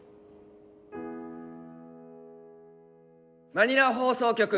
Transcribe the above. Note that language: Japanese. マニラ放送局